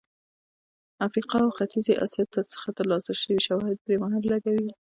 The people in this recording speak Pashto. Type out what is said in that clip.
افریقا او ختیځې اسیا څخه ترلاسه شوي شواهد پرې مهر لګوي.